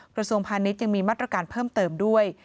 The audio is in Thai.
กระทรวงพาณิชย์ยังมีมาตรการเพิ่มเติมด้วย